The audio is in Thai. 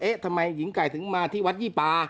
ทำไมหญิงไก่ถึงมาที่วัดยี่ปา